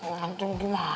ngancem gimana mak